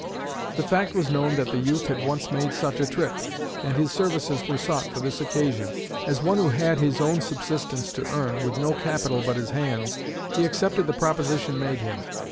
The fact was known that the youth had once made such a trip, and his services were sought for this occasion. As one who had his own subsistence to earn, with no capital but his hands, he accepted the proposition made him.